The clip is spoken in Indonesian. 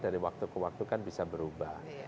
dari waktu ke waktu kan bisa berubah